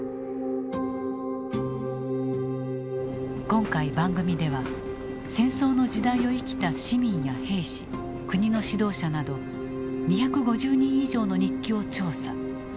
今回番組では戦争の時代を生きた市民や兵士国の指導者など２５０人以上の日記を調査。